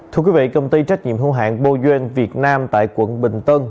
thưa quý vị công ty trách nhiệm hữu hạn boyuan việt nam tại quận bình tân